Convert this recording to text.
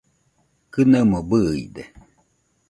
Kɨnaimo bɨide